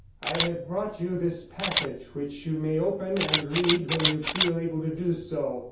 I have brought you this packet, which you may open and read when you feel able to do so.